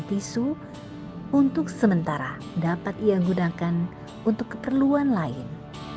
tisu untuk sementara dapat ia gunakan untuk keperluan lain